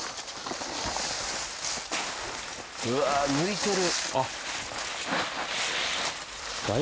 うわっ抜いてる。